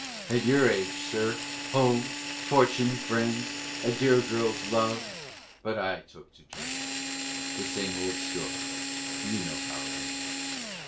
At your age, Sir, home, fortune, friends, A dear girl's love, but I took to drink, The same old story; you know how it ends.